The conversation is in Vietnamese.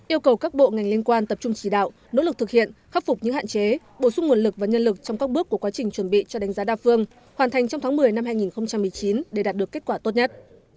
yêu cầu các bộ ngành liên quan tập trung chỉ đạo nỗ lực thực hiện khắc phục những hạn chế bổ sung nguồn lực và nhân lực trong các bước của quá trình chuẩn bị cho đánh giá đa phương hoàn thành trong tháng một mươi năm hai nghìn một mươi chín để đạt được kết quả tốt nhất